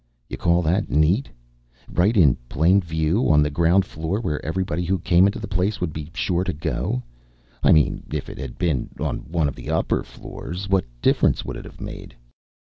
You call that neat? Right in plain view on the ground floor, where everybody who came into the place would be sure to go I mean if it had been on one of the upper floors, what difference would it have made?